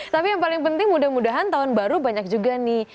tapi yang paling penting mudah mudahan tahun baru banyak juga nih